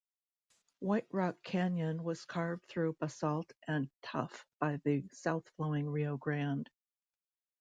White Rock Canyon was carved through basalt and tuff by the south-flowing Rio Grande.